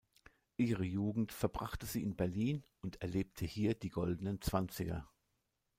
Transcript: Ihre Jugend verbrachte sie in Berlin und erlebte hier die Goldenen Zwanziger.